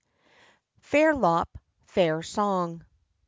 FAIRLOP FAIR SONG.